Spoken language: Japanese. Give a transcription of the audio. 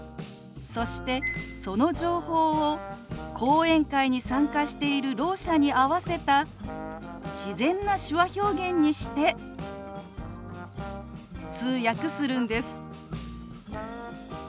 そしてその情報を講演会に参加しているろう者に合わせた自然な手話表現にして通訳するんです。